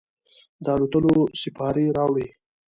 د الوتلو سیپارې راوړي